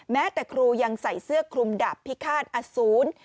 แม้แต่ครูยังใส่เสื้อคลุมดับพิฆาตอสูร